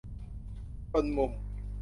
จนมุม